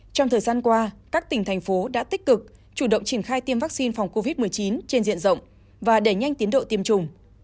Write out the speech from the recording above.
trong thời gian qua các tỉnh thành phố đã tích cực chủ động triển khai tiêm vaccine phòng covid một mươi chín trên diện rộng và đẩy nhanh tiến độ tiêm chủng